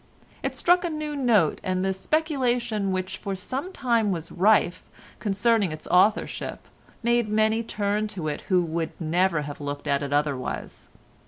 It struck a new note and the speculation which for some time was rife concerning its authorship made many turn to it who would never have looked at it otherwise.